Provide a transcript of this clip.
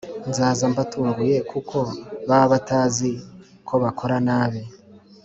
Nzaza mbatunguye kuko baba batazi ko bakora nabi